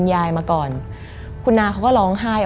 มันกลายเป็นรูปของคนที่กำลังขโมยคิ้วแล้วก็ร้องไห้อยู่